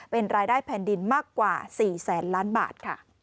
เป็นรายได้แผ่นดินมากกว่า๔๐๐๐๐๐ล้านบาท